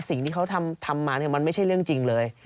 สิ่งที่เขาทำมามันไม่ใช่เรื่องจริงเลย